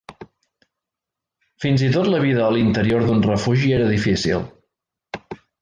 Fins i tot la vida a l'interior d'un refugi era difícil.